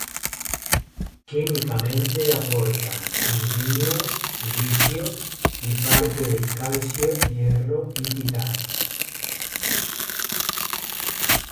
Químicamente aportan Al, Si y parte del Ca, Fe y Ti.